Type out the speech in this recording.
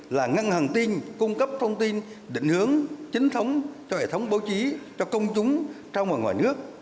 là ngăn hàng tin cung cấp thông tin định hướng chính thống cho hệ thống báo chí cho công chúng trong và ngoài nước